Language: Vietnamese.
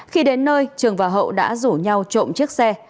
khi đến nơi trường và hậu đã rủ nhau trộm chiếc xe